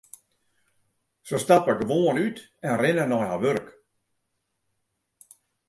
Se stappe gewoan út en rinne nei har wurk.